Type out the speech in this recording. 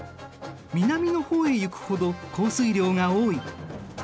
南の方へ行くほど降水量が多い。